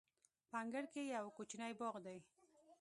په انګړ کې یو کوچنی باغ دی.